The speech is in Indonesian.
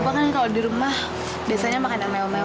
bapak kan kalau di rumah biasanya makan yang mewah mewah